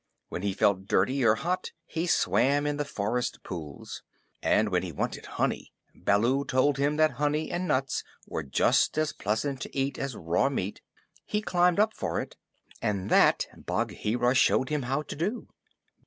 When he felt dirty or hot he swam in the forest pools; and when he wanted honey (Baloo told him that honey and nuts were just as pleasant to eat as raw meat) he climbed up for it, and that Bagheera showed him how to do.